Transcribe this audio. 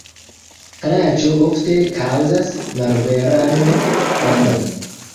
Klaĉo ofte kaŭzas malverajn famojn.